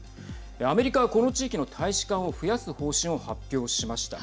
アメリカは、この地域の大使館を増やす方針を発表しました。